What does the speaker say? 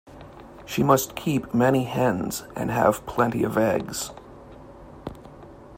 She must keep many hens and have plenty of eggs.